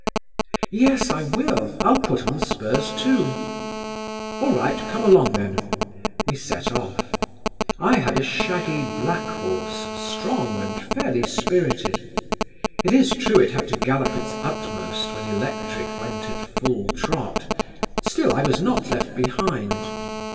"Yes, I will; I'll put on spurs too." "All right, come along then." We set off. I had a shaggy black horse, strong, and fairly spirited. It is true it had to gallop its utmost, when Electric went at full trot, still I was not left behind.